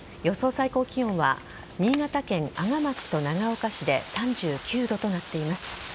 最高気温は新潟県阿賀町と長岡市で３９度となっています。